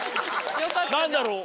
何だろう？